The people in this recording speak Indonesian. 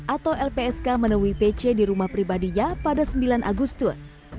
atau lpsk menemui pc di rumah pribadinya pada sembilan agustus